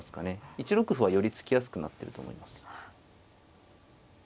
１六歩はより突きやすくなってると思います。